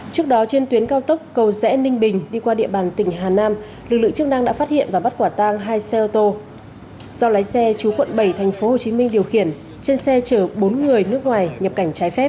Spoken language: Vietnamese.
trước đó trên tuyến cao tốc cầu rẽ ninh bình đi qua địa bàn tỉnh hà nam lực lượng chức năng đã phát hiện và bắt quả tang hai xe ô tô do lái xe chú quận bảy tp hcm điều khiển trên xe chở bốn người nước ngoài nhập cảnh trái phép